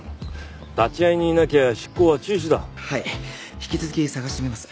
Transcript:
引き続き探してみます。